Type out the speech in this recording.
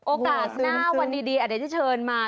โอกาสหน้าวันดีอาจจะเชิญมา